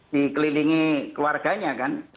dikelilingi keluarganya kan